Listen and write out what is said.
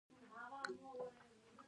افغانستان له انګور ډک دی.